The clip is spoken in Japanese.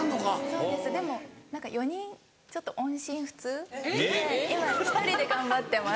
そうですでも何か４人ちょっと音信不通で今１人で頑張ってます。